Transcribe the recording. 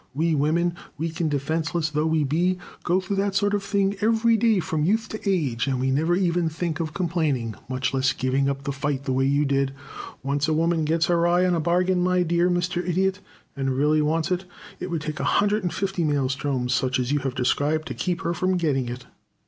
We women, weak and defenseless though we be, go through that sort of thing day after day from youth to age, and we never even think of complaining, much less giving up the fight the way you did. Once a woman gets her eye on a bargain, my dear Mr. Idiot, and really wants it, it would take a hundred and fifty maelstroms such as you have described to keep her from getting it."